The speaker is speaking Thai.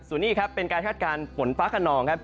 ส่วนนี้ครับเป็นการคาดการณ์ฝนฟ้าขนองครับ